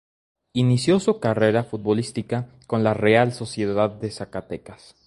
Inició su carrera futbolística con la Real Sociedad de Zacatecas.